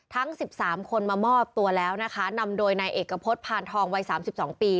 ทั้ง๑๓คนมามอบตัวแล้วนะคะนำโดยนายเอกพฤษพานทองวัยสามสิบสองปี